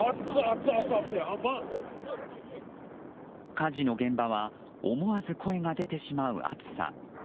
火事の現場は思わず声が出てしまう熱さ。